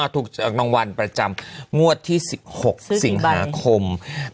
ถูกจากนางวัลประจำงวดที่๖สิงหาคมซื้อสี่ใบ